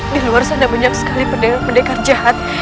di luar sana banyak sekali pendekar jahat